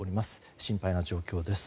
心配な状況です。